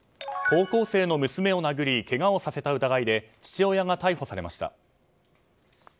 高校生の娘を殴りけがをさせた疑いで父親が逮捕されました。